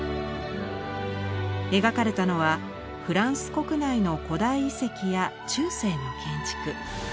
描かれたのはフランス国内の古代遺跡や中世の建築。